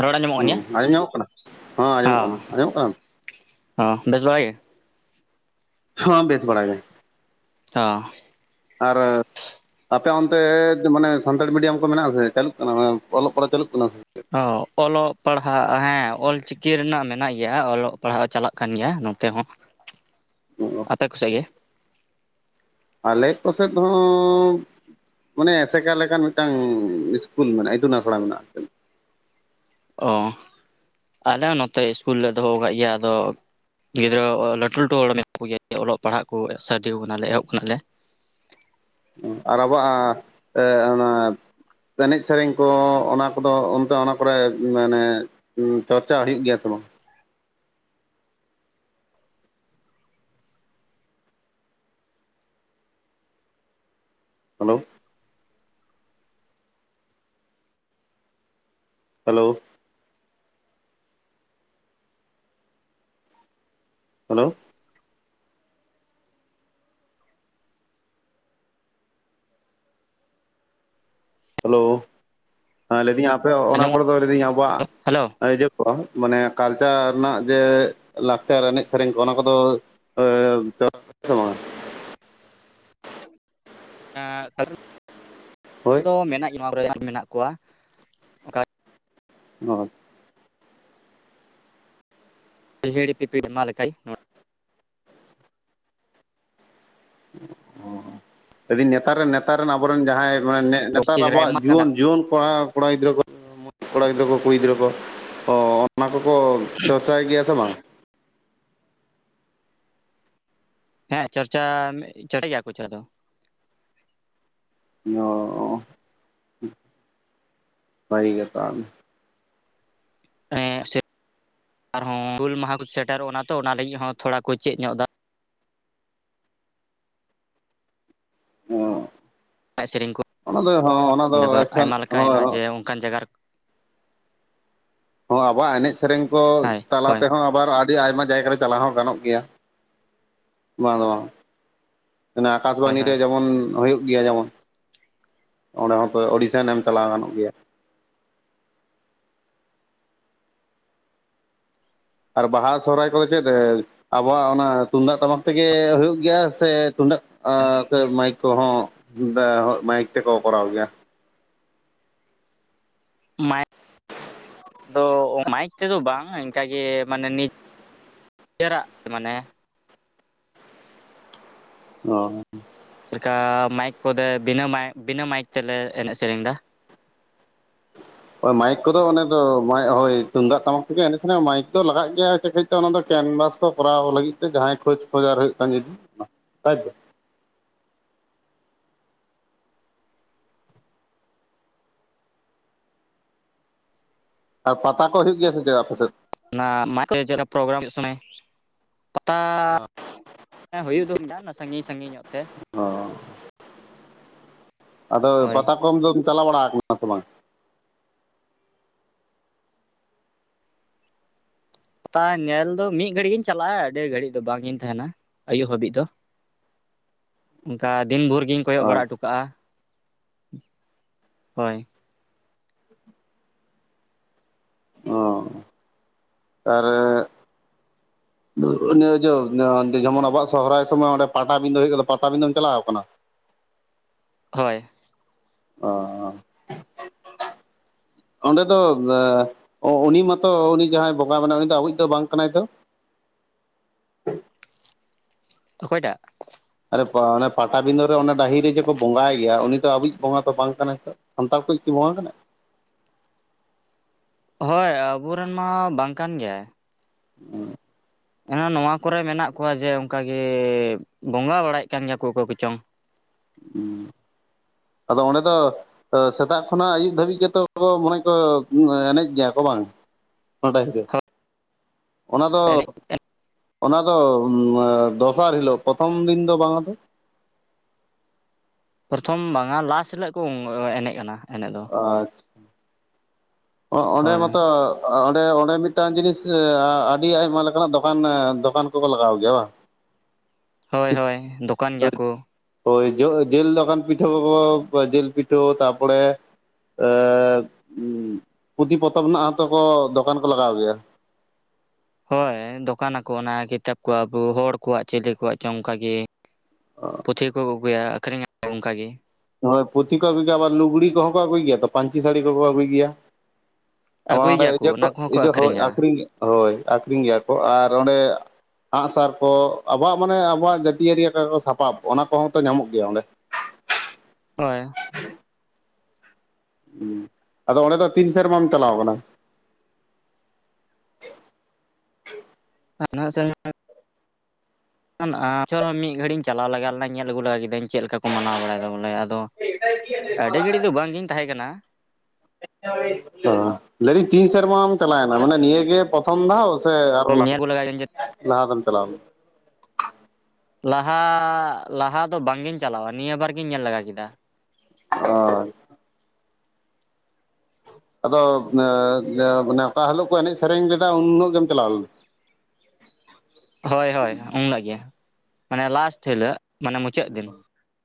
ᱨᱚᱲ ᱟᱸᱡᱚᱢᱚᱜ ᱠᱟᱱ ᱜᱮᱭᱟᱹ ᱦᱮᱸ ᱟᱸᱡᱚᱢ ᱧᱟᱢᱚᱜ ᱠᱟᱱᱟ ᱦᱮᱸ ᱟᱸᱡᱚᱢᱚᱜ ᱦᱚ ᱠᱟᱱᱟ ᱟᱸᱡᱚᱢᱚᱜ ᱠᱟᱱᱟ ᱦᱚ ᱵᱮᱥ ᱵᱟᱲᱟᱜᱮ ᱦᱚᱸ ᱵᱮᱥ ᱵᱟᱲᱟ ᱜᱮ ᱦᱚᱸ ᱟᱨ ᱟᱯᱮ ᱚᱱᱛᱮ ᱢᱟᱱᱮ ᱥᱟᱱᱛᱟᱲᱤ ᱢᱤᱰᱤᱭᱟᱢ ᱠᱚ ᱢᱮᱱᱟᱜᱼᱟᱥᱮ ᱪᱟᱹᱞᱩᱜ ᱠᱟᱱᱟ ᱚᱞᱚᱜ ᱯᱟᱲᱦᱟᱜ ᱪᱟᱹᱞᱩᱜ ᱠᱟᱱᱟ ᱥᱮ ᱚᱻ ᱚᱞᱚᱜ ᱯᱟᱲᱦᱟᱜ ᱦᱮᱸ ᱚᱞ ᱪᱤᱠᱤ ᱨᱮᱱᱟᱜ ᱢᱮᱱᱟᱜ ᱜᱮᱭᱟ ᱚᱞᱚᱜ ᱯᱟᱲᱦᱟᱜ ᱪᱟᱞᱟᱜ ᱠᱟᱱ ᱜᱮᱭᱟ ᱱᱚᱛᱮ ᱦᱚᱸ [inaudible] ᱟᱯᱮ ᱠᱚᱥᱮᱜ ᱜᱮ ᱟᱞᱮ ᱠᱚᱥᱮᱫ ᱦᱚᱸ ᱢᱟᱱᱮ ᱮᱥᱮᱠᱟ ᱞᱮᱠᱟᱱ ᱢᱤᱫᱴᱟᱝ ᱤᱥᱠᱩᱞ ᱢᱮᱱᱟᱜᱼᱟ ᱤᱛᱩᱱ ᱟᱥᱲᱟ ᱢᱮᱱᱟᱜᱼᱟ᱾ ᱚ ᱟᱞᱮ ᱦᱚᱸ ᱱᱚᱛᱮ ᱤᱥᱠᱩᱞ ᱞᱮ ᱫᱚᱦᱚ ᱠᱟᱜ ᱜᱮᱭᱟ ᱟᱫᱚ ᱜᱤᱫᱽᱨᱟᱹ ᱞᱟᱹᱴᱩ ᱞᱟᱹᱴᱩ ᱦᱚᱲ ᱢᱮᱱᱟᱜ ᱠᱚᱜᱮᱭᱟ ᱚᱞᱚᱜ ᱯᱟᱲᱦᱟᱜ ᱠᱚ [unintelligible] ᱠᱟᱱᱟᱞᱮ ᱮᱦᱚᱵ ᱠᱷᱚᱱᱟᱜᱮ ᱟᱨ ᱟᱵᱚᱣᱟᱜ ᱚᱱᱟ ᱮᱱᱮᱡ ᱥᱮᱨᱮᱧ ᱠᱚ ᱚᱱᱟ ᱠᱚᱫᱚ ᱚᱱᱛᱮ ᱚᱱᱟ ᱠᱚᱨᱮ ᱢᱟᱱᱮ ᱦᱩᱸ ᱪᱚᱨᱪᱟ ᱦᱩᱭᱩᱜ ᱜᱮᱭᱟ ᱥᱮ ᱵᱟᱝ? ᱦᱮᱞᱳ ᱦᱮᱞᱳ ᱦᱮᱞᱳ ᱦᱮᱞᱳ ᱦᱮᱸ ᱞᱟᱹᱭᱫᱟᱹᱧ ᱟᱯᱮ ᱚᱱᱟ ᱟᱸᱡᱚᱢᱚᱜ ᱠᱚᱨᱮ ᱫᱚ ᱞᱟᱹᱭᱫᱟᱹᱧ ᱟᱵᱚᱣᱟᱜ ᱦᱮᱞᱳ [unintelligible] ᱢᱟᱱᱮ ᱠᱟᱞᱪᱟᱨ ᱨᱮᱱᱟᱜ ᱡᱮ ᱞᱟᱠᱪᱟᱨ ᱮᱱᱮᱡ ᱥᱮᱨᱮᱧ ᱠᱚ ᱚᱱᱟ ᱠᱚᱫᱚ [unintelligible] ᱦᱳᱭ [unintelligible] ᱢᱮᱱᱟᱜ ᱠᱚᱣᱟ᱾ ᱚᱱᱠᱟ [unintelligible] ᱦᱤᱦᱤᱲᱤ ᱯᱤᱯᱤᱲᱤ ᱱᱚᱣᱟ ᱞᱮᱠᱟᱭ ᱫᱟᱹᱧ ᱱᱮᱛᱟᱨ ᱨᱮᱱ ᱱᱮᱛᱟᱨ ᱨᱮᱱ ᱟᱵᱚᱨᱮᱱ ᱡᱟᱸᱦᱟᱸᱭ ᱢᱟᱱᱮ ᱱᱮᱛᱟᱨ ᱰᱤᱥᱴᱤᱠ ᱨᱮ ᱟᱵᱚᱣᱟᱜ ᱟᱭᱢᱟ ᱠᱟᱱᱟ ᱡᱩᱣᱟᱹᱱ ᱡᱩᱣᱟᱹᱱ ᱠᱚᱲᱟ ᱠᱚᱲᱟ ᱜᱤᱫᱽᱨᱟᱹ ᱠᱚ ᱠᱚᱲᱟ ᱜᱤᱫᱽᱨᱟᱹ ᱠᱚ ᱠᱩᱲᱤ ᱜᱤᱫᱽᱨᱟᱹ ᱠᱚ ᱚᱻ ᱚᱱᱟ ᱠᱚᱠᱚ ᱪᱚᱨᱪᱟᱭ ᱜᱮᱭᱟ ᱥᱮ ᱵᱟᱝ? ᱦᱮᱸ ᱪᱚᱨᱪᱟ ᱪᱚᱨᱟᱭ ᱜᱮᱭᱟ ᱠᱚ ᱪᱚᱨᱟ ᱫᱚ ᱚ ᱥᱟᱭ ᱜᱮ [unintelligible] ᱮᱸ ᱥᱮ ᱟᱨᱦᱚᱸ ᱦᱩᱞ ᱢᱟᱸᱦᱟ ᱠᱚ ᱥᱮᱴᱮᱨᱚᱜ ᱠᱟᱱᱟ ᱛᱚ ᱚᱱᱟ ᱞᱟᱜᱤᱫ ᱦᱚᱸ ᱛᱷᱚᱲᱟ ᱠᱚ ᱪᱮᱫ ᱧᱚᱜ ᱫᱟ᱾ ᱚᱸ ᱮᱱᱮᱡ ᱥᱮᱨᱮᱧ ᱠᱚ ᱚᱱᱟ ᱫᱚ ᱦᱚᱸ ᱚᱱᱟ ᱫᱚ ᱵᱟ ᱮᱠᱟᱞ ᱟᱭᱢᱟ ᱞᱮᱠᱟ ᱦᱳᱭ ᱦᱮᱱᱟᱜᱼᱟ ᱡᱮ ᱚᱱᱠᱟᱱ ᱡᱟᱭᱜᱟ ᱨᱮ ᱦᱚᱸ ᱟᱵᱚᱣᱟᱜ ᱮᱱᱮᱡ ᱥᱮᱨᱮᱧ ᱠᱚ ᱦᱳᱭ ᱛᱟᱞᱟ ᱦᱳᱭ ᱛᱮᱦᱚᱸ, ᱟᱵᱟᱨ ᱟᱰᱤ ᱟᱭᱢᱟ ᱡᱟᱭᱜᱟᱨᱮ ᱪᱟᱞᱟᱣ ᱦᱚᱸ ᱜᱟᱱᱚᱜ ᱜᱮᱭᱟ᱾ ᱵᱟᱝ ᱫᱚ ᱵᱟᱝ, ᱦᱳᱭ ᱟᱠᱟᱥᱵᱟᱱᱤ ᱦᱳᱭ ᱨᱮ ᱡᱮᱢᱚᱱ ᱦᱳᱭᱳᱜ ᱜᱮᱭᱟ, ᱡᱮᱢᱚᱱ ᱚᱸᱰᱮ ᱦᱚᱸᱛᱚ ᱚᱰᱤᱥᱮᱱ ᱮᱢ ᱪᱟᱞᱟᱣ ᱜᱟᱱᱚᱜ ᱜᱮᱭᱟ᱾ ᱟᱨ ᱵᱟᱦᱟ ᱥᱚᱦᱨᱟᱭ ᱠᱚᱫᱚ ᱪᱮᱫ ᱨᱮ ᱟᱵᱚᱣᱟᱜ ᱚᱱᱟ ᱛᱩᱱᱫᱟᱜ ᱴᱟᱢᱟᱠ ᱛᱮᱜᱮ, ᱦᱳᱭᱳᱜ ᱜᱮᱭᱟ ᱥᱮ ᱛᱩᱢᱫᱟᱹᱜ ᱟᱨ ᱥᱮ ᱢᱟᱭᱤᱠ ᱠᱚᱸᱦᱚᱸ, ᱢᱟᱭᱤᱠ ᱛᱮᱠᱚ ᱠᱚᱨᱟᱣ ᱜᱮᱭᱟ? ᱢᱟᱭᱤᱠ, ᱫᱚ ᱢᱟᱭᱤᱠ ᱛᱮᱫᱚ ᱵᱟᱝ, ᱤᱱᱠᱟᱜᱮ ᱢᱟᱱᱮ ᱱᱤᱛ ᱱᱤᱡᱮᱨᱟᱜ ᱢᱟᱱᱮ ᱚᱻ--᱾ ᱪᱮᱫ ᱞᱮᱠᱟ ᱢᱟᱭᱤᱠ ᱠᱚᱫᱚ ᱵᱤᱱᱟᱹ ᱢᱟᱭᱤᱠ, ᱵᱤᱱᱟᱹ ᱢᱟᱭᱤᱠ, ᱛᱮᱞᱮ ᱮᱱᱮᱡ ᱥᱮᱨᱮᱧ ᱫᱟ᱾ ᱦᱳᱭ ᱢᱟᱭᱤᱠ ᱠᱚᱫᱚ ᱚᱱᱮ ᱫᱚ, ᱦᱳᱭ ᱛᱩᱢᱫᱟᱜ ᱴᱟᱢᱟᱠ ᱛᱮᱜᱮ ᱮᱱᱮᱡ ᱥᱮᱨᱮᱧ, ᱢᱟᱭᱤᱠ ᱫᱚ ᱞᱟᱜᱟᱜ ᱜᱮᱭᱟ ᱥᱮ ᱠᱟᱹᱡ ᱚᱱᱟ ᱫᱚ ᱠᱮᱱᱵᱟᱥ ᱠᱚ ᱠᱚᱨᱟᱣ ᱞᱟᱹᱜᱤᱫ ᱛᱮ, ᱡᱟᱸᱦᱟᱸᱭ ᱠᱷᱳᱡᱽ, ᱠᱷᱚᱡᱟᱨ ᱦᱳᱭᱳᱜ ᱠᱷᱟᱱ ᱡᱩᱫᱤ, ᱛᱟᱭᱛᱚ᱾ ᱟᱨ ᱯᱟᱛᱟ ᱠᱚ ᱦᱩᱭᱩᱜ ᱜᱮᱭᱟ ᱥᱮ ᱪᱮᱫ, ᱟᱯᱮᱥᱮᱫ? ᱚᱱᱟ ᱢᱟᱭᱤᱠ ᱛᱮ ᱪᱮᱫᱠᱟ ᱯᱨᱳᱜᱨᱟᱢ ᱦᱩᱭᱩᱜ ᱥᱚᱢᱚᱭ, ᱯᱟᱛᱟᱻ᱾ ᱦᱮᱸ, ᱦᱳᱭᱳᱜ ᱫᱚ ᱦᱩᱭ ᱞᱮᱱᱟ [unintelligible] ᱥᱟᱺᱜᱤᱧ ᱥᱟᱺᱜᱤᱧ ᱧᱚᱜ ᱛᱮ ᱚᱻ--᱿ ᱟᱫᱚ ᱦᱳᱭ ᱯᱟᱛᱟ ᱠᱚᱢ ᱫᱚᱢ, ᱪᱟᱞᱟᱣ ᱵᱟᱲᱟ ᱠᱟᱱᱟ ᱥᱮ ᱵᱟᱝ? ᱯᱟᱛᱟ ᱧᱮᱞ ᱫᱚ ᱢᱤᱫ ᱜᱷᱟᱲᱤᱡ ᱜᱤᱧ ᱪᱟᱞᱟᱜᱼᱟ, ᱟᱰᱤ ᱜᱷᱟᱲᱤᱡ ᱫᱚ ᱵᱟᱝᱤᱧ ᱛᱟᱦᱮᱸᱱᱟ ᱟᱭᱩᱵ ᱦᱟᱵᱤᱡ ᱫᱚ᱾ ᱚᱝᱠᱟ ᱫᱤᱱ ᱵᱷᱳᱨ ᱜᱤᱧ ᱠᱚᱭᱚᱜ ᱟᱪ ᱵᱟᱲᱟ ᱴᱚ ᱠᱟᱜᱼᱟ, ᱦᱚᱭ ᱚᱻ᱾ ᱟᱨᱻ᱾ [unintelligible] ᱤᱭᱟᱹ ᱡᱮᱢᱚᱱ ᱟᱵᱚᱣᱟᱜ ᱥᱚᱦᱚᱨᱟᱭ ᱥᱚᱢᱚᱭ ᱚᱸᱰᱮ ᱯᱟᱴᱟᱵᱤᱫᱟᱹ ᱦᱳᱭᱳᱜ ᱫᱚ, ᱯᱟᱴᱟᱵᱤᱫᱟᱹᱢ ᱪᱟᱞᱟᱣ ᱠᱟᱱᱟ? ᱦᱚᱭ᱾ ᱚᱻ [unintelligible] ᱚᱸᱰᱮ ᱫᱚ, ᱩᱱᱤ ᱢᱟᱛᱚ ᱩᱱᱤ ᱡᱟᱸᱦᱟᱸᱭ ᱵᱚᱸᱜᱟ ᱢᱮᱱᱟᱭ ᱩᱱᱤ ᱫᱚ ᱟᱵᱚᱭᱤᱡ ᱫᱚ ᱵᱟᱝ ᱠᱟᱱᱟᱭ ᱛᱚ? ᱚᱠᱚᱭ ᱴᱟᱜ? ᱟᱨᱮ ᱚᱱᱮ ᱯᱟᱴᱟᱵᱤᱫᱽᱟᱹ ᱨᱮ ᱚᱱᱟ, ᱰᱟᱦᱤᱨᱮ ᱡᱮ ᱠᱚ ᱵᱚᱸᱜᱟᱭ ᱜᱮᱭᱟ ᱩᱱᱤ ᱫᱚ ᱟᱵᱚᱭᱤᱡ ᱵᱚᱸᱜᱟ ᱫᱚ ᱵᱟᱝ ᱠᱟᱱᱟᱭ ᱛᱚ, ᱥᱟᱱᱛᱟᱲ ᱠᱚᱭᱤᱡ ᱠᱤ ᱵᱚᱸᱜᱟ ᱠᱟᱱᱟᱭ? ᱦᱚᱭ, ᱟᱵᱚᱨᱮᱱ ᱢᱟ ᱵᱟᱝ ᱠᱟᱱ ᱜᱮᱭᱟᱭ᱾ ᱦᱮᱸ [unintelligible] ᱮᱱᱦᱚᱸ ᱱᱚᱣᱟ ᱠᱚᱨᱮ ᱢᱮᱱᱟᱜ ᱠᱚᱣᱟ ᱡᱮ ᱚᱝᱠᱟᱜᱮ, ᱵᱚᱸᱜᱟ ᱵᱟᱲᱟᱭᱮᱫ ᱠᱟᱱ ᱜᱮᱭᱟ ᱠᱚ, ᱚᱠᱚᱭ ᱠᱚᱪᱚᱝ᱾ ᱦᱩᱸ, ᱟᱫᱚ ᱚᱸᱰᱮ ᱫᱚ ᱛᱚ ᱥᱮᱛᱟᱜ ᱠᱷᱚᱱᱟᱜ ᱟᱹᱭᱩᱵ ᱫᱷᱟᱹᱵᱤᱡ ᱜᱮᱛᱚ ᱠᱚ, ᱢᱟᱱᱮ ᱠᱚ ᱮᱱᱮᱡ ᱜᱮᱭᱟ ᱠᱚ ᱵᱟᱝ? ᱚᱱᱟ ᱵᱟᱦᱤᱨᱮ ᱦᱳᱭ ᱚᱱᱟ ᱫᱚ, ᱮᱱᱮᱡ ᱚᱱᱟ ᱫᱚ, ᱫᱚᱥᱟᱨ ᱦᱤᱞᱳᱜ ᱯᱨᱚᱛᱷᱚᱢ ᱫᱤᱱ ᱫᱚ ᱵᱟᱝᱼᱟ ᱛᱚ? ᱯᱨᱚᱛᱷᱚᱢ ᱵᱟᱝᱼᱟ, ᱞᱟᱥ ᱦᱤᱞᱳᱜ ᱠᱚ ᱮᱱᱮᱡ ᱠᱟᱱᱟ ᱮᱱᱮᱡ ᱫᱚ᱾ ᱟᱨᱻᱻ [unintelligible] ᱚᱱᱰᱮ ᱦᱳᱭ ᱢᱟᱛᱚ ᱚᱸᱰᱮ, ᱚᱸᱰᱮ, ᱢᱤᱫᱴᱟᱝ ᱡᱤᱱᱤᱥ ᱟᱹᱰᱤ, ᱟᱭᱢᱟ ᱞᱮᱠᱟᱱᱟᱜ ᱫᱚᱠᱟᱱ ᱫᱚᱠᱟᱱ ᱠᱚᱠᱚ ᱞᱟᱜᱟᱣ ᱜᱮᱭᱟ ᱵᱟᱝ? ᱦᱳᱭ, ᱦᱳᱭ, ᱫᱚᱠᱟᱱ ᱜᱮᱭᱟ ᱵᱟᱝ ᱠᱚ᱾ ᱦᱳᱭ, ᱡᱚ ᱡᱤᱞ ᱫᱚᱠᱟᱱ ᱯᱤᱴᱷᱟᱹ ᱠᱚᱠᱚ, ᱡᱤᱞ ᱯᱤᱴᱷᱟᱹ ᱛᱟᱨᱯᱚᱨᱮ ᱮᱸ, ᱯᱩᱛᱷᱤ ᱯᱚᱛᱚᱵ ᱨᱮᱱᱟᱜ ᱦᱚᱸᱛᱚ ᱠᱚ, ᱫᱚᱠᱟᱱ ᱠᱚ ᱞᱟᱜᱟᱣ ᱜᱮᱭᱟ? ᱦᱳᱭ, ᱫᱚᱠᱟᱱ ᱟᱠᱚ ᱚᱱᱟ ᱠᱤᱛᱟᱹᱵ ᱠᱚ, ᱟᱵᱚ ᱦᱚᱲ ᱠᱚᱣᱟᱜ ᱪᱤᱞᱤ ᱠᱚᱣᱟᱜ ᱪᱚᱝ ᱚᱝᱠᱟ ᱜᱮ᱾ ᱯᱩᱛᱷᱤ ᱠᱚᱠᱚ ᱟᱹᱜᱩᱭᱟ, ᱟᱠᱷᱨᱤᱧᱟ ᱠᱚ ᱚᱝᱠᱟ ᱜᱮ᱾ ᱦᱳᱭ, ᱯᱩᱛᱷᱤ ᱠᱚ ᱟᱹᱜᱩᱭ ᱜᱮᱭᱟ, ᱟᱵᱟᱨ ᱞᱩᱜᱽᱲᱤ ᱠᱚᱦᱚᱸ ᱠᱚ ᱟᱹᱜᱩᱭ ᱜᱮᱭᱟ, ᱛᱚ ᱯᱟᱹᱧᱪᱤ ᱥᱟᱹᱲᱤ ᱠᱚᱠᱚ ᱟᱹᱜᱩᱭ ᱜᱮᱭᱟ᱾ ᱟᱹᱜᱩᱭ ᱜᱮᱭᱟ ᱠᱚ ᱚᱱᱟ ᱠᱚᱦᱚᱸ ᱠᱚ [unintelligible] ᱟᱹᱠᱷᱨᱤᱧᱟ ᱟᱠᱠᱷᱨᱤᱧ, ᱦᱳᱭ ᱟᱠᱷᱨᱤᱧ ᱜᱮᱭᱟ ᱠᱚ ᱟᱨ ᱚᱸᱰᱮ ᱟᱸᱥᱟᱨ ᱠᱚ ᱟᱵᱚᱣᱟᱜ ᱢᱟᱱᱮ ᱟᱵᱚᱣᱟᱜ, ᱡᱟᱹᱛᱤᱭᱟᱹᱨᱤ ᱥᱟᱯᱟᱵ ᱚᱱᱟ ᱠᱚᱦᱚᱸ ᱛᱚ ᱧᱟᱢᱚᱜ ᱜᱮᱭᱟ ᱚᱸᱰᱮ? ᱦᱳᱭ, ᱾ ᱟᱫᱚ ᱚᱸᱰᱮ ᱫᱚ ᱛᱤᱱ ᱥᱮᱨᱢᱟᱢ ᱪᱟᱞᱟᱣ ᱠᱟᱱᱟ? ᱦᱟᱱᱟ ᱥᱮᱨᱢᱟ ᱜᱮ᱾ ᱟᱪᱩᱨ ᱢᱤᱫ ᱜᱷᱟᱹᱲᱤᱡᱤᱧ ᱪᱟᱞᱟᱣ ᱞᱮᱜᱟ ᱞᱮᱱᱟ, ᱧᱮᱞ ᱟᱹᱜᱩ ᱞᱮᱜᱟ ᱠᱮᱫᱤᱫᱟᱹᱧ ᱪᱮᱫ ᱞᱮᱠᱟ ᱠᱚ ᱢᱟᱱᱟᱣ ᱵᱟᱲᱟᱭᱮᱫᱟ ᱵᱚᱞᱮ ᱟᱫᱚᱻᱻ ᱚ ᱟᱹᱰᱤ ᱜᱷᱟᱹᱲᱤᱡ ᱫᱚ ᱵᱟᱝ ᱜᱤᱧ ᱛᱟᱦᱮᱸᱠᱟᱱᱟ᱾ ᱚ ᱞᱟᱹᱭᱫᱤᱧ ᱛᱤᱱ ᱥᱮᱨᱢᱟᱢ ᱪᱟᱞᱟᱣᱮᱱᱟ ᱢᱟᱱᱮ ᱱᱤᱭᱟᱹᱜᱮ ᱯᱨᱚᱛᱷᱚᱢ ᱫᱷᱟᱣ? ᱥᱮ ᱟᱨᱦᱚᱸ ᱞᱟᱦᱟ ᱧᱮᱞ ᱟᱹᱜᱩ ᱞᱮᱜᱟᱭᱫᱟᱹᱧ ᱡᱮ ᱞᱟᱦᱟᱛᱮᱢ ᱪᱟᱞᱟᱣ ᱞᱮᱱᱟ? ᱞᱟᱦᱟ ᱞᱟᱦᱟ ᱫᱚ ᱵᱟᱝ ᱜᱤᱧ ᱪᱟᱞᱟᱣ ᱱᱤᱭᱟᱹ ᱵᱟᱨ ᱜᱤᱧ ᱧᱮᱞ ᱞᱮᱜᱟ ᱠᱮᱫᱟ᱾ ᱚᱸ ᱟᱫᱚ ᱚᱠᱟ ᱦᱤᱞᱳᱜ ᱠᱚ ᱮᱱᱮᱡ ᱥᱮᱨᱮᱧ ᱞᱮᱫᱟ, ᱩᱱ ᱦᱤᱞᱳᱜ ᱜᱮᱢ ᱪᱟᱞᱟᱣ ᱞᱮᱱᱟ? ᱦᱳᱭ ᱦᱳᱭ ᱩᱱ ᱦᱤᱞᱳ ᱜᱮ! ᱢᱟᱱᱮ ᱞᱟᱥᱴ ᱦᱤᱞᱳ ᱢᱟᱱᱮ ᱢᱩᱪᱟᱹᱫ ᱫᱤᱱ᱾ [inaudible]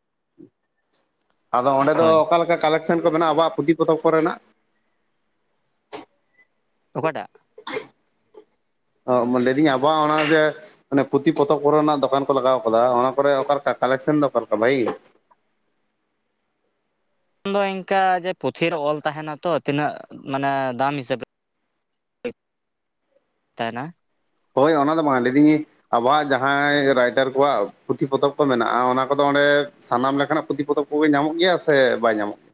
ᱟᱫᱚ ᱚᱸᱰᱮ ᱫᱚ ᱦᱳᱭ ᱚᱠᱟᱞᱮᱠᱟ ᱠᱟᱞᱮᱠᱥᱮᱱ ᱠᱚ ᱢᱮᱱᱟᱜᱼᱟ᱾ ᱟᱵᱚᱣᱟᱜ ᱯᱩᱛᱷᱤ ᱯᱚᱛᱚᱵ ᱠᱚᱨᱮᱱᱟᱜ? ᱚᱠᱟ ᱴᱟᱸᱜ? ᱚ ᱞᱟᱸᱭ ᱫᱤᱧ ᱟᱵᱚᱣᱟᱜ, ᱚᱱᱮ ᱡᱮᱻᱻ ᱢᱟᱱᱮ ᱯᱩᱛᱷᱤ ᱯᱚᱛᱚᱵ ᱠᱚᱨᱮᱱᱟᱜ ᱫᱚᱠᱟᱱ ᱠᱚ, ᱞᱟᱜᱟᱣ ᱟᱠᱟᱫᱟ᱾ ᱚᱱᱟ ᱠᱚᱨᱮ ᱚᱠᱟ ᱞᱮᱠᱟ ᱠᱟᱞᱮᱠᱥᱮᱱ ᱫᱚ ᱚᱠᱟᱞᱮᱠᱟ ᱵᱷᱟᱜᱤ ᱜᱮ? ᱫᱚ ᱤᱱᱠᱟ ᱡᱮ ᱯᱩᱛᱷᱷᱤ ᱨᱮ ᱚᱞ ᱛᱟᱦᱮᱱᱟ ᱛᱚ, ᱛᱤᱱᱟᱹᱜ ᱢᱟᱱᱮ ᱫᱟᱢ ᱦᱤᱥᱟᱹᱵ ᱛᱮᱻᱻ ᱛᱟᱦᱮᱱᱟ᱾ ᱦᱳᱭ ᱚᱱᱟ ᱫᱚ ᱵᱟᱝ ᱞᱟᱭ ᱫᱤᱧᱻᱻ ᱟᱵᱚᱣᱟᱜ ᱡᱟᱦᱟᱸᱭ ᱨᱟᱭᱴᱟᱨ ᱠᱚᱣᱟᱜ ᱯᱩᱛᱷᱤ ᱯᱚᱛᱚᱵ ᱠᱚ ᱢᱮᱱᱟᱜᱼᱟ, ᱚᱱᱟ ᱠᱚᱫᱚ ᱚᱸᱰᱮᱻᱻ ᱥᱟᱱᱟᱢ ᱞᱮᱠᱟᱱᱟᱜ ᱯᱩᱛᱷᱤ ᱯᱚᱛᱚᱵ ᱠᱚᱜᱮ ᱧᱟᱢᱚᱜ ᱜᱮᱭᱟ ᱥᱮ ᱵᱟᱝ ᱧᱟᱢᱚᱜ ᱜᱮᱭᱟ?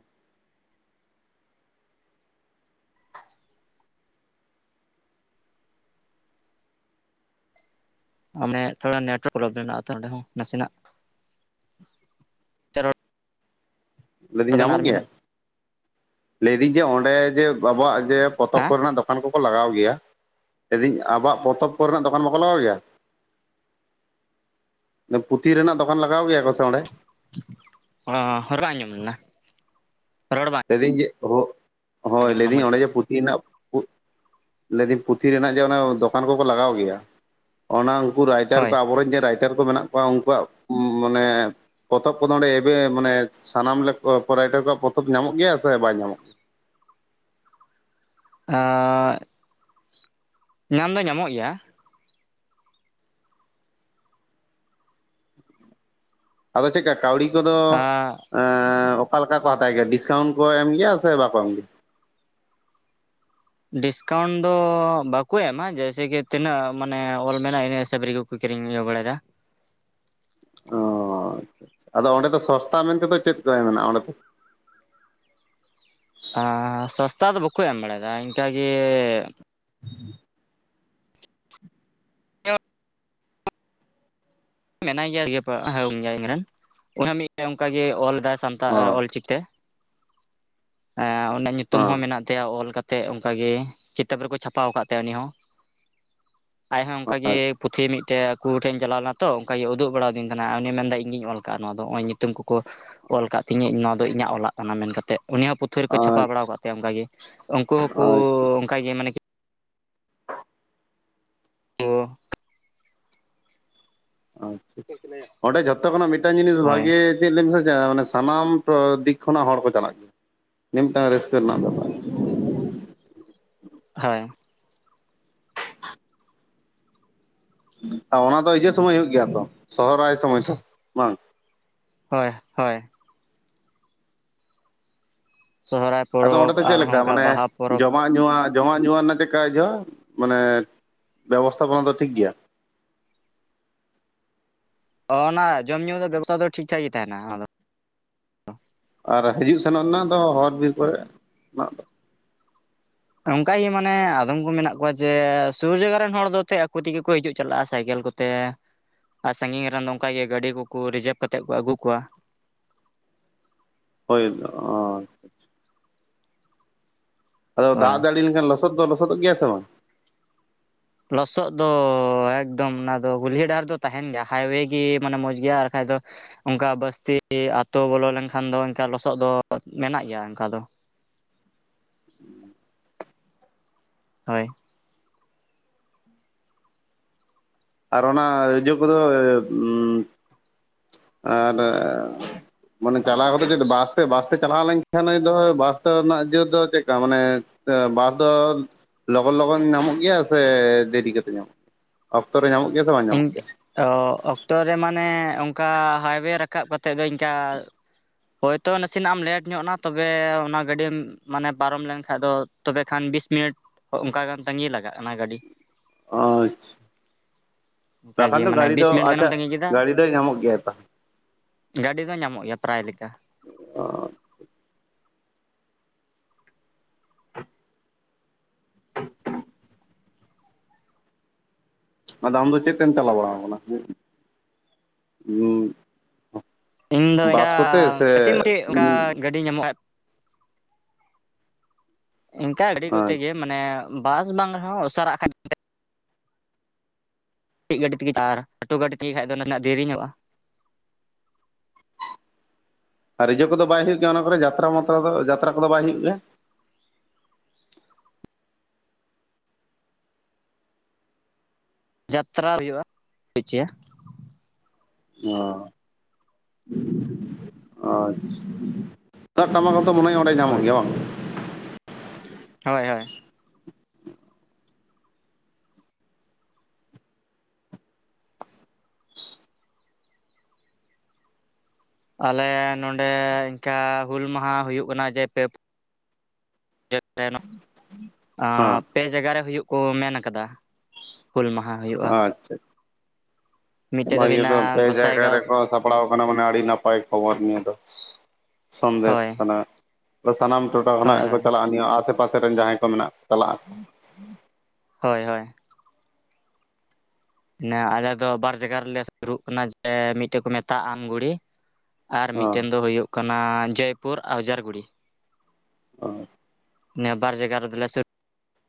ᱚᱱᱮ ᱛᱷᱚᱟ ᱱᱮᱴᱚᱣᱟᱨᱠ ᱯᱨᱚᱵᱞᱮᱢ ᱢᱮᱱᱟᱜ ᱛᱚ᱾ ᱚᱸᱰᱮ ᱦᱚᱸ ᱱᱟᱥᱮᱱᱟᱜ ᱨᱚᱲ ᱞᱟᱹᱭ ᱫᱤᱧ ᱵᱮᱱ ᱧᱟᱢᱚᱜ ᱟᱨ ᱢᱤᱫ ᱜᱮᱭᱟ, ᱞᱟᱹᱭ ᱫᱤᱹᱧ ᱡᱮ ᱚᱸᱰᱮ ᱜᱮ ᱟᱵᱚᱣᱟᱜᱻᱻ ᱡᱮ ᱯᱚᱛᱚᱵ ᱫᱷᱟᱣ ᱠᱚᱨᱮᱱᱟᱜ ᱫᱚᱠᱟᱱ ᱠᱚᱠᱚ ᱞᱟᱜᱟᱣ ᱜᱮᱭᱟ ᱞᱟᱭᱫᱤᱧ ᱟᱵᱚᱣᱟᱜ ᱯᱚᱛᱚᱵ ᱠᱚᱨᱮᱱᱟᱜ ᱫᱚᱠᱟᱱ ᱵᱟᱠᱚ ᱞᱟᱜᱟᱣ ᱜᱮᱭᱟ? ᱯᱩᱛᱷᱤ ᱨᱮᱱᱟᱜ ᱫᱚᱠᱟᱱ ᱞᱟᱜᱟᱣ ᱜᱮᱭᱟ ᱠᱚ ᱥᱮ ᱚᱸᱰᱮ? ᱚ ᱨᱚᱲ ᱵᱟᱝ ᱟᱡᱚᱢ ᱞᱮᱱᱟ? ᱨᱚᱲ ᱵᱟᱝᱻᱻ ᱞᱟᱹᱭ ᱫᱤᱧ ᱡᱮ ᱦᱳᱭ ᱞᱟᱹᱭᱤᱧ ᱚᱸᱰᱮ ᱡᱮ ᱯᱩᱛᱷᱤ ᱨᱮᱱᱟᱜᱻᱻ ᱞᱟᱹᱭ ᱫᱤᱧ ᱡᱮ ᱯᱩᱛᱷᱤ ᱨᱮᱱᱟᱜ ᱡᱮ ᱚᱱᱟ ᱫᱚᱠᱟᱱ ᱠᱚᱠᱚ ᱞᱟᱜᱟᱣ ᱜᱮᱭᱟ᱾ ᱚᱱᱟ ᱩᱱᱠᱩ ᱨᱟᱭᱴᱟᱨ ᱦᱳᱭ ᱠᱚ᱾ᱟᱵᱚ ᱨᱮᱱ ᱡᱮ ᱨᱟᱭᱴᱟᱨ ᱠᱚ ᱢᱮᱱᱟᱜ ᱠᱚᱣᱟ᱾ ᱩᱱᱠᱩᱣᱟᱜ ᱢᱟᱱᱮᱻᱻ ᱯᱚᱛᱚᱵ ᱠᱚᱫᱚ ᱚᱸᱰᱮ ᱮᱵᱮ ᱢᱟᱱᱮ ᱥᱟᱱᱟᱢ ᱞᱮᱠᱟ ᱨᱟᱭᱴᱟᱨ ᱠᱚᱣᱟᱜ ᱯᱚᱛᱚᱵ ᱧᱟᱢᱚᱜ ᱜᱮᱭᱟ ᱥᱮ ᱵᱟᱭ ᱧᱟᱢᱚᱜ ᱠᱟᱱᱟ? ᱚᱸ ᱧᱟᱢ ᱫᱚ ᱧᱟᱢᱚᱜ ᱜᱮᱭᱟ᱾ ᱟᱫᱚ ᱪᱮᱫ ᱞᱮᱠᱟ ᱠᱟᱹᱣᱰᱤ ᱠᱚᱫᱚ? ᱮᱸ ᱚᱠᱟ ᱞᱮᱠᱟ ᱠᱚ ᱦᱟᱛᱟᱣ ᱜᱮᱭᱟ᱾ ᱰᱤᱥᱠᱟᱣᱩᱱᱴ ᱠᱚ ᱮᱢ ᱜᱮᱭᱟ ᱥᱮ ᱵᱟᱠᱚ ᱮᱢ ᱜᱮᱭᱟ? ᱰᱤᱥᱠᱟᱣᱩᱱᱴ ᱫᱚ ᱵᱟᱠᱚ ᱮᱢᱟ᱾ ᱡᱮᱭᱮᱥᱮ ᱠᱤ ᱛᱤᱱᱟᱹᱜ ᱢᱟᱱᱮ ᱚᱞ ᱢᱮᱱᱟᱜᱼᱟ, ᱤᱱᱟᱹ ᱦᱤᱥᱟᱹᱵ ᱨᱮᱜᱮᱻᱻ ᱠᱩᱠᱤᱨᱤᱧ ᱟᱜᱩ ᱵᱟᱨᱟᱭ ᱫᱟ᱾ ᱚ ᱟᱪᱪᱷᱟ, ᱟᱫᱚ ᱚᱸᱰᱮ ᱫᱚ ᱥᱚᱥᱛᱟ ᱢᱮᱱᱛᱮ ᱫᱚ ᱪᱮᱫ ᱠᱚ ᱢᱮᱱᱟᱜᱼᱟ, ᱚᱸᱰᱮ ᱫᱚ? ᱚ ᱥᱚᱥᱛᱟ ᱫᱚ ᱵᱟᱠᱚ ᱮᱢ ᱵᱟᱲᱟᱭᱫᱟ ᱤᱱᱠᱟ ᱜᱮ᱾ [inaudible] ᱢᱮᱱᱟᱭ ᱜᱮᱭᱟᱭ [unintelligible] ᱤᱧ ᱨᱮᱱ ᱩᱱᱤ ᱦᱚᱸ ᱢᱤᱫᱴᱮᱱ ᱚᱱᱠᱟᱜᱮ ᱚᱞ ᱥᱟᱱᱛᱟᱲ ᱚ ᱚᱞᱪᱤᱠᱤ ᱛᱮ᱾ ᱩᱱᱤᱭᱟᱜ ᱧᱩᱛᱩᱢ ᱦᱚᱸ ᱢᱮᱱᱟᱜ ᱛᱟᱭᱟ ᱚᱞ ᱠᱟᱛᱮ ᱛᱮ᱾ ᱚᱱᱠᱟ ᱜᱮ ᱠᱤᱛᱟᱹᱵ ᱨᱮᱠᱚ ᱪᱷᱟᱯᱟᱣ ᱠᱟᱜ ᱛᱟᱭᱟ ᱩᱱᱤ ᱦᱚᱸ᱾ ᱟᱡ ᱦᱚᱸ ᱚᱱᱠᱟ ᱜᱮ ᱟᱪᱪᱷᱟ ᱯᱩᱛᱷᱤ ᱢᱤᱫᱴᱮᱡ ᱟᱠᱚ ᱴᱷᱮᱱ ᱪᱟᱞᱟᱣ ᱞᱮᱱᱟ᱾ ᱛᱚ ᱚᱱᱠᱟ ᱜᱮ ᱩᱫᱩᱜ ᱵᱟᱲᱟ ᱟᱹᱫᱤᱧ ᱠᱟᱱᱟ ᱩᱱᱤᱭ ᱢᱮᱱᱫᱟ ᱤᱧ ᱜᱤᱧ ᱚᱞ ᱠᱟᱜᱼᱟ ᱱᱚᱣᱟ ᱫᱚ ᱚᱭ ᱧᱩᱛᱩᱢ ᱠᱚᱠᱚ᱾ ᱚᱞ ᱠᱟᱫ ᱛᱤᱧᱤᱜ ᱱᱚᱣᱟ ᱫᱚ᱾ ᱤᱧᱟᱹᱜ ᱚᱞᱟᱜ ᱠᱟᱱᱟ ᱢᱮᱱ ᱠᱟᱛᱮᱫ ᱩᱱᱤ ᱦᱚᱸ ᱯᱩᱛᱷᱤ ᱛᱷᱤ ᱨᱮ ᱠᱚ ᱪᱷᱟᱯᱟ ᱵᱟᱲᱟ ᱟᱪᱪᱷᱟ ᱟᱠᱟᱫ ᱛᱟᱭᱟ᱾ ᱚᱱᱠᱟ ᱜᱮ ᱩᱱᱠᱩ ᱦᱚᱸᱠᱚ ᱚᱱᱠᱟᱜ ᱜᱮ ᱢᱟᱱᱮ [inaudible] ᱟᱪᱪᱷᱟ ᱟᱪᱪᱷᱟ! ᱚᱸᱰᱮ ᱡᱷᱚᱛᱚ ᱠᱷᱚᱱᱟᱜ ᱢᱤᱫᱴᱟᱝ ᱡᱤᱱᱤᱥ ᱦᱳᱭ ᱵᱷᱟᱹᱜᱤ ᱪᱮᱜ ᱞᱮᱢᱮ ᱥᱮᱪᱟ ᱢᱟᱱᱮ ᱥᱟᱱᱟᱢ ᱫᱤᱠ ᱠᱷᱚᱱᱟᱜ ᱦᱚᱲ ᱠᱚ ᱪᱟᱞᱟᱜ ᱜᱮᱭᱟ᱾ ᱢᱤᱱᱴᱟᱝ ᱨᱟᱹᱥᱠᱟᱹ ᱨᱮᱱᱟᱜ ᱵᱮᱯᱟᱨ᱾ ᱦᱳᱭ ᱟᱨ ᱚᱱᱟ ᱫᱚ ᱤᱭᱟᱹ ᱥᱚᱢᱚᱭ ᱦᱩᱭᱩᱜ ᱜᱮᱭᱟ ᱛᱚ, ᱥᱚᱦᱚᱨᱟᱭ ᱥᱚᱢᱚᱭ ᱫᱚ ᱵᱟᱝ? ᱦᱳᱭ ᱦᱳᱭ ᱥᱚᱦᱚᱨᱟᱭ ᱟᱫᱚ ᱯᱚᱨᱚᱵᱽ ᱚᱸᱰᱮ ᱫᱚ ᱪᱮᱫ ᱟᱨᱦᱚᱸ ᱞᱮᱠᱟ ᱚᱱᱠᱟ ᱢᱟᱱᱮ ᱵᱟᱦᱟ ᱯᱚᱨᱚᱵᱽ᱾ ᱡᱚᱢᱟᱜ ᱧᱩᱣᱟᱜ, ᱡᱚᱢᱟᱜ ᱧᱩᱣᱟᱜ ᱨᱮᱱᱟᱜ ᱪᱮᱫᱠᱟ ᱤᱡᱷᱟ ᱢᱟᱱᱮ ᱵᱮᱵᱚᱥᱛᱷᱟᱯᱚᱱᱟ ᱫᱚ ᱴᱷᱤᱠ ᱜᱮᱭᱟ? ᱚ ᱚᱱᱟ ᱡᱚᱢᱼ ᱧᱩ ᱫᱚ ᱵᱮᱵᱚᱥᱛᱷᱟ ᱫᱚ ᱴᱷᱤᱠᱴᱷᱟᱠ ᱜᱮ ᱛᱟᱦᱮᱱᱟ ᱟᱫᱚ᱾ ᱟᱨ ᱦᱤᱡᱩᱜ- ᱥᱮᱱᱚᱜ ᱨᱮᱱᱟᱜ ᱫᱚ ᱦᱚᱨ ᱵᱤᱨᱤ ᱠᱚᱨᱮ ᱫᱚᱼᱼᱼ ᱚᱱᱠᱟᱜᱮ ᱢᱟᱱᱮ ᱟᱫᱚᱢ ᱠᱚ ᱢᱮᱱᱟᱜ ᱠᱚᱣᱟ ᱡᱮ ᱥᱩᱨ ᱡᱟᱭᱜᱟ ᱨᱮᱱ ᱦᱚᱲ ᱫᱚ ᱛᱮ ᱟᱠᱚ ᱛᱮᱜᱮ ᱠᱚ ᱦᱤᱡᱩᱜ ᱪᱟᱞᱟᱜᱼᱟ ᱥᱟᱭᱠᱮᱞ ᱠᱚ᱾ ᱛᱮ ᱟᱨ ᱥᱟᱺᱜᱤᱧ ᱨᱮᱱ ᱫᱚ ᱚᱝᱠᱟ ᱜᱮ ᱜᱟᱹᱰᱤ ᱠᱚ-ᱠᱚ ᱨᱤᱡᱟᱵᱽ ᱠᱟᱛᱮᱫ ᱠᱚ ᱟᱹᱜᱩ ᱠᱚᱣᱟ᱾ ᱦᱳᱭ [unintelligible] ᱟᱫᱚ ᱦᱳᱭ ᱫᱟᱜ ᱡᱟᱲᱤ ᱞᱮᱱᱠᱷᱟᱱ ᱞᱚᱥᱚᱫ ᱫᱚ, ᱞᱚᱥᱚᱫ ᱫᱚ ᱜᱮᱭᱟ ᱥᱮ ᱵᱟᱝ? ᱞᱚᱥᱚᱫ ᱫᱚ ᱮᱠᱫᱚᱢ ᱚᱱᱟ ᱫᱚ ᱜᱩᱞᱭᱟᱹ ᱰᱟᱦᱟᱨ ᱫᱚ ᱛᱟᱦᱮᱱ ᱜᱮᱭᱟ ᱦᱟᱭᱣᱮ ᱜᱮ ᱢᱟᱱᱮ ᱢᱚᱸᱡᱽ ᱜᱮᱭᱟ ᱟᱨ ᱵᱟᱠᱟᱱᱡ ᱫᱚᱼᱼᱼ ᱚᱱᱠᱟ ᱵᱟᱹᱥ ᱛᱮ ᱟᱹᱛᱳ ᱵᱚᱞᱚ ᱞᱮᱱᱠᱷᱟᱱ ᱫᱚ ᱚᱱᱠᱟ ᱞᱚᱥᱚᱫ ᱫᱚ ᱢᱮᱱᱟᱜ ᱜᱮᱭᱟ ᱚᱱᱠᱟ ᱫᱚ ᱾ ᱦᱳᱭ ᱟᱨ ᱚᱱᱟ ᱤᱡᱟᱹ ᱠᱚᱫᱚ ᱚᱩᱸ ᱟᱨ ᱮᱻ ᱢᱟᱱᱮ ᱪᱟᱞᱟᱣ ᱠᱟᱛᱮ ᱡᱮᱛᱚ ᱵᱟᱥ ᱛᱮ ᱵᱟᱥ ᱛᱮ ᱪᱟᱞᱟᱣ ᱞᱮᱱᱠᱷᱟᱱ ᱵᱟᱥ ᱛᱮ ᱨᱮᱱᱟᱜ ᱡᱟᱹ ᱫᱚ ᱪᱮᱜᱠᱟ ᱢᱟᱱᱮ? ᱟ ᱵᱟᱥ ᱫᱚ ᱞᱚᱜᱚᱱ - ᱞᱚᱜᱚᱱ ᱧᱟᱢᱚᱜ ᱜᱮᱭᱟ ᱥᱮ ᱫᱮᱨᱤ ᱠᱟᱛᱮᱫ ᱧᱟᱢᱚᱜ ᱜᱮᱭᱟ? ᱚᱠᱛᱚ ᱨᱮ ᱧᱟᱢᱚᱜ ᱜᱮᱭᱟ ᱥᱮ ᱵᱟᱝ ᱤᱧ ᱧᱟᱢᱚᱜ ᱜᱮᱭᱟ? ᱚ ᱚᱠᱛᱚ ᱨᱮ ᱢᱟᱱᱮ ᱚᱝᱠᱟ ᱦᱟᱭᱣᱮ ᱨᱟᱠᱟᱵ ᱠᱟᱛᱮᱫ ᱫᱚ ᱤᱱᱠᱟᱼᱼᱼ ᱦᱳᱭᱛᱚ ᱱᱟᱥᱮᱱᱟᱜ ᱮᱢ ᱞᱮᱴ ᱧᱚᱜ ᱱᱟ ᱛᱚᱵᱮ ᱚᱱᱟ ᱜᱟᱺᱰᱤᱢ ᱢᱟᱱᱮ ᱯᱟᱨᱚᱢ ᱞᱮᱱ ᱠᱷᱟᱱᱡ ᱫᱚ ᱛᱚᱵᱮ ᱠᱷᱟᱱ ᱵᱤᱥ ᱢᱤᱱᱤᱴᱼᱼᱼ ᱚᱱᱠᱟ ᱜᱟᱱ ᱛᱟᱺᱜᱤ ᱞᱟᱜᱟᱜᱼᱟ᱾ ᱚᱱᱟ ᱜᱟᱺᱰᱤ ᱟᱪᱪᱷᱟᱼᱼ ᱚᱱᱠᱟᱜᱮ ᱛᱟᱦᱟᱞᱮ ᱢᱟᱱᱮ ᱫᱟᱺᱲᱤ ᱵᱤᱥ ᱫᱚ ᱢᱤᱱᱤᱴ ᱟᱪᱪᱷᱟ ᱜᱟᱱᱮᱢ ᱛᱟᱺᱜᱤ ᱠᱮᱫᱟ ᱜᱟᱺᱲᱤ ᱫᱚᱭ ᱧᱟᱢᱚᱜ ᱜᱮᱟᱭ ᱛᱚ ᱜᱟᱺᱰᱤ ᱫᱚ ᱧᱟᱢᱚᱜ ᱜᱮᱭᱟ ᱯᱮᱭᱟᱭ ᱞᱮᱠᱟ ᱚᱸᱻ ᱟᱫᱚ ᱟᱢ ᱫᱚ ᱪᱮᱜ ᱛᱮᱢ ᱪᱟᱞᱟᱣ ᱵᱟᱲᱟ ᱠᱟᱱᱟ? ᱤᱧ ᱫᱚ [unintelligible] ᱮᱸᱜᱟ ᱠᱟᱹᱴᱤᱡ ᱢᱟᱴᱤᱡ ᱟᱱᱠᱟ ᱜᱟᱺᱰᱤ ᱧᱟᱢᱚᱜᱼᱟ ᱠᱷᱟᱱ ᱤᱱᱠᱟ ᱜᱟᱺᱰᱤ ᱠᱚᱛᱮ ᱜᱮ ᱢᱟᱱᱮ ᱵᱟᱥ ᱵᱟᱝ ᱨᱮᱦᱚᱸ ᱩᱥᱟᱹᱨᱟᱜ ᱠᱷᱟᱱ ᱛᱮᱼᱼᱼ ᱴᱤᱡ ᱜᱟᱺᱰᱤ ᱛᱮᱜᱮ ᱟᱨ ᱞᱟᱹᱴᱩ ᱜᱟᱺᱰᱤ ᱛᱮᱜᱮ ᱠᱷᱟᱱᱡ ᱫᱚ ᱱᱟᱥᱮᱱᱟᱜ ᱫᱮᱨᱤᱧᱚᱜᱼᱟ ᱾ ᱟᱨ ᱤᱭᱟᱹ ᱠᱚᱫᱚ ᱵᱟᱭ ᱦᱩᱭᱩᱜ ᱜᱮᱭᱟ ᱚᱱᱟ ᱠᱚᱨᱮ ᱡᱟᱛᱨᱟ-ᱢᱟᱛᱨᱟ ᱫᱚ ᱡᱟᱛᱨᱟ ᱠᱚᱫᱚ ᱵᱟᱭ ᱦᱩᱭᱩᱜ ᱜᱮᱭᱟ? ᱡᱟᱛᱨᱟ ᱦᱩᱭᱩᱜᱼᱟ [unintelligible] ᱦᱩᱪᱮ ᱚᱸᱻ ᱟᱪᱪᱷᱟ ᱛᱩᱢᱫᱟᱜ, ᱴᱟᱢᱟᱠ, ᱦᱚᱛᱚ ᱢᱚᱱᱮ ᱦᱚᱭ ᱚᱸᱰᱮ ᱧᱟᱢᱚᱜ ᱦᱳᱭ ᱜᱮᱭᱟ ᱵᱟᱝ? ᱦᱳᱭᱻ ᱦᱳᱭ ᱟᱞᱮ ᱱᱚᱰᱮ ᱤᱱᱠᱟ ᱦᱩᱞ ᱢᱟᱦᱟ ᱦᱩᱭᱩᱜ ᱠᱟᱱᱟ ᱡᱮ ᱯᱮᱼᱼᱼ ᱦᱮᱸ [unintelligible] ᱯᱮ ᱡᱟᱭᱜᱟ ᱨᱮ ᱦᱩᱭᱩᱜ ᱠᱚ ᱢᱮᱱ ᱠᱟᱫᱟ ᱾ ᱦᱩᱞ ᱢᱟᱦᱟ ᱦᱩᱭᱩᱜᱼᱟ ᱾ ᱟᱪᱪᱷᱟ ᱵᱷᱟᱜᱮ ᱫᱚ ᱦᱩᱭᱱᱟ ᱯᱮ ᱡᱟᱭᱜᱟ ᱨᱮ ᱜᱚᱸᱥᱟᱭᱜᱟᱸᱣ ᱠᱚ ᱥᱟᱵᱼᱼᱼ ᱥᱟᱯᱲᱟᱣ ᱠᱟᱱᱟ ᱢᱟᱱᱮ ᱟᱹᱰᱤ ᱱᱟᱯᱟᱭ ᱠᱷᱚᱵᱚᱨ ᱱᱤᱭᱟᱹ ᱫᱚ ᱥᱚᱸᱱᱫᱮᱥ ᱦᱳᱭ ᱠᱟᱱᱟ ᱾ ᱥᱟᱱᱟᱢ ᱴᱚᱴᱷᱟ ᱠᱷᱚᱱᱟᱜ ᱦᱳᱭ ᱜᱮ ᱠᱚ ᱦᱳᱭ ᱪᱟᱞᱟᱜᱼᱟ ᱱᱤᱭᱟᱹ ᱟᱥᱮ-ᱯᱟᱥᱮ ᱨᱮᱱ ᱡᱟᱦᱟᱸᱭ ᱠᱚ ᱢᱮᱱᱟᱜ ᱠᱚ ᱪᱟᱞᱟᱜᱼᱟ ᱠᱚ ᱾ ᱦᱚᱭ - ᱦᱚᱭ ᱱᱮ ᱟᱞᱮ ᱫᱚ ᱵᱟᱨ ᱡᱟᱜᱟ ᱨᱮ ᱞᱮ ᱥᱩᱨᱩᱜ ᱠᱟᱱᱟ ᱡᱮ ᱢᱤᱫᱴᱮᱡ ᱠᱚ ᱢᱮᱛᱟᱜᱼᱟ ᱟᱢᱜᱷᱩᱲᱤ ᱟᱨ ᱢᱤᱫᱴᱮᱱ ᱦᱚᱸ ᱫᱚ ᱦᱩᱭᱩᱜ ᱠᱟᱱᱟ ᱡᱮᱭᱯᱩᱨ ᱟᱣᱡᱟᱨᱜᱩᱲᱤ᱾ [inaudible] ᱱᱤᱭᱟᱹ ᱵᱟᱨ ᱡᱟᱭᱜᱟ ᱨᱮ ᱫᱚ ᱥᱩᱨᱼᱼᱼ